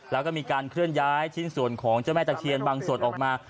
แล้วก็มีการเคลื่อนย้ายชิ้นส่วนของเจ้าแม่ตะเคียนบางส่วนออกมา